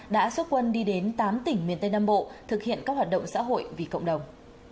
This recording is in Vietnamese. đã xuất quân đi đến tám tỉnh miền tây nam bộ thực hiện các hoạt động xã hội vì cộng đồng